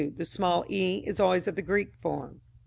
The small e is always of the Greek form.